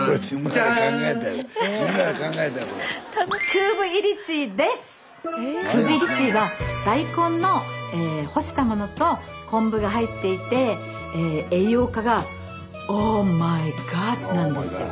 クーブイリチーは大根の干したものと昆布が入っていて栄養価がオーマイガーなんですよ。